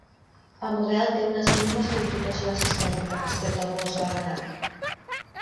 El model té unes mínimes modificacions estètiques respecte al Volkswagen up!